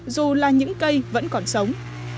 dù là những cây vẫn còn sống